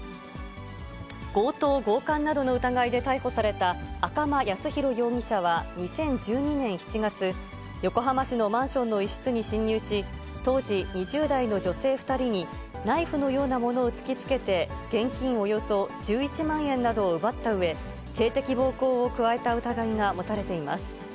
強盗強かんなどの疑いで逮捕された、赤間靖浩容疑者は２０１２年７月、横浜市のマンションの一室に侵入し、当時２０代の女性２人にナイフのようなものを突きつけて、現金およそ１１万円などを奪ったうえ、性的暴行を加えた疑いが持たれています。